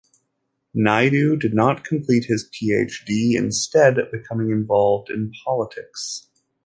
Naidu did not complete his PhD, instead becoming involved in politics.